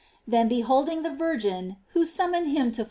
Then be holding the Virgin, who summoned him to f ol* 166 GLOF.